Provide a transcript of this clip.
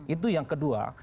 itu yang kedua